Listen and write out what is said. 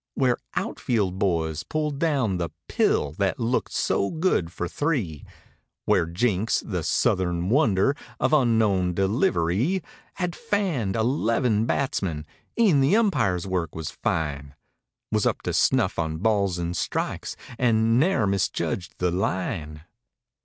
Where out held boys pulled down the "pill" that looked so good for three; Where Jinks, the "Southern wonder" of unknown delivery Had fanned eleven batsmen; e'en the umpire's work was fine; 100 Was up to snufif on balls and strikes and ne'er misjudged the "line."